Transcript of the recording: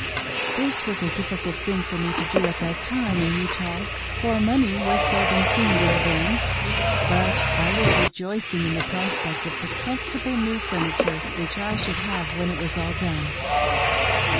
This was a difficult thing for me to do at that time in Utah, for money was seldom seen there then ; but I was rejoicing in the prospect of the comfortable new furniture HOW BRIGHAM PAID FOR HIS WIVES* BONNETS ! 3^1 which I should have when it was all done.